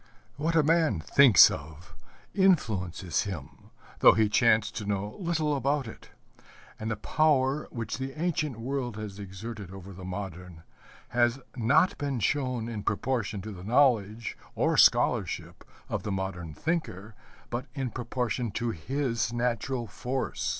What a man thinks of influences him, though he chance to know little about it; and the power which the ancient world has exerted over the modern has not been shown in proportion to the knowledge or scholarship of the modern thinker, but in proportion to his natural force.